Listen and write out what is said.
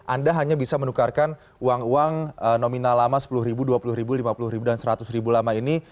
anda hanya bisa menukarkan uang uang nominal lama sepuluh ribu dua puluh ribu lima puluh ribu dan seratus ribu lama ini